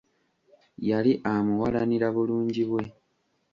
Yali amuwalanira bulungi bwe.